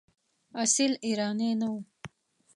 اصیل ایرانی نه وو.